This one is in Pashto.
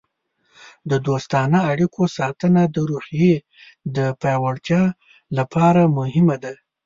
د دوستانه اړیکو ساتنه د روحیې د پیاوړتیا لپاره مهمه ده.